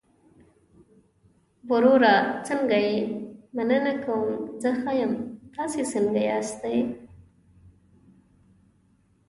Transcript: وروره څنګه يې؟ مننه کوم، زه ښۀ يم، تاسو څنګه ياستى؟